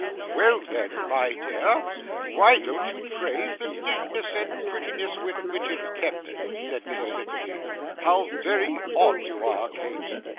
'Well then, my dear, why don't you praise the neatness and prettiness with which it's kept?' said Mrs. Nickleby. 'How very odd you are, Kate!